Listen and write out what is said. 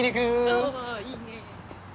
おいいね。